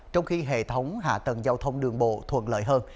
trong khi hệ thống hạ tầng giao thông đường bộ thuận lợi hơn